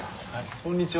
こんにちは。